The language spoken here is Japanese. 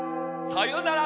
さよなら。